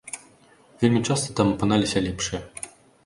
Вельмі часта там апыналіся лепшыя.